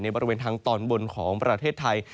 บริเวณทางตอนบนของประเทศไทย